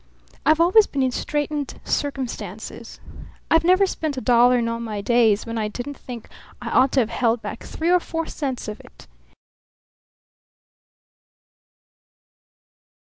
I've always been in straitened circumstances. I never spent a dollar in all my days when I didn't think I ought to have held back three or four cents of it.